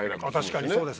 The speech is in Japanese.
確かにそうですね。